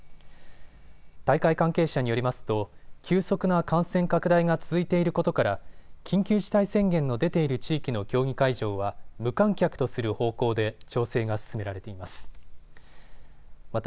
大会関係者によりますと、急速な感染拡大が続いていることから緊急事態宣言の出ている地域の競技会場は無観客とする方向で調整が進められています。